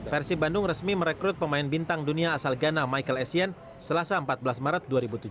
persib bandung resmi merekrut pemain bintang dunia asal ghana michael essien selasa empat belas maret dua ribu tujuh belas